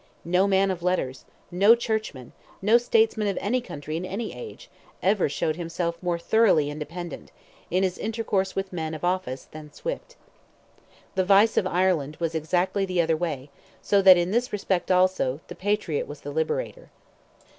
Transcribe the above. No man of letters, no churchman, no statesman of any country in any age, ever showed himself more thoroughly independent, in his intercourse with men of office, than Swift. The vice of Ireland was exactly the other way, so that in this respect also, the patriot was the liberator.